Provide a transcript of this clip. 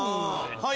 はい。